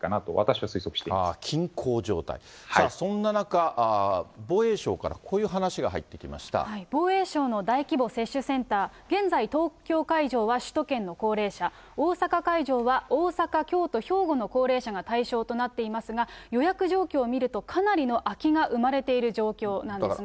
そんな中、防衛省からこういう話防衛省の大規模接種センター、現在、東京会場は首都圏の高齢者、大阪会場は大阪、京都、兵庫の高齢者が対象となっていますが、予約状況を見ると、かなりの空きが生まれている状況なんですね。